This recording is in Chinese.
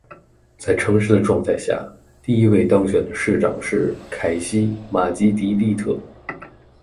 在城市状态下，第一位当选的市长是凯西·马吉迪利特。